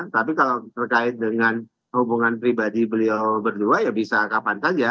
tapi kalau terkait dengan hubungan pribadi beliau berdua ya bisa kapan saja